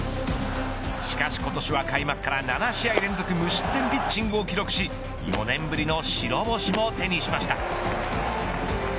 しかし今年は開幕から７試合連続無失点ピッチングを記録し４年ぶりの白星も手にしました。